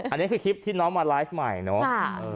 อันนี้คือคลิปที่น้องมาไลฟ์ใหม่เนาะ